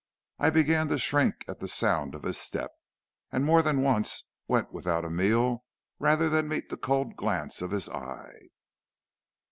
I began to shrink at the sound of his step, and more than once went without a meal rather than meet the cold glance of his eye.